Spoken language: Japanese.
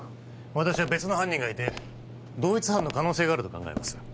私は別の犯人がいて同一犯の可能性があると考えます